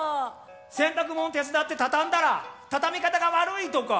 洗濯もん手伝って畳んだら畳み方が悪いとか。